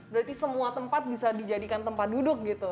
berarti semua tempat bisa dijadikan tempat duduk gitu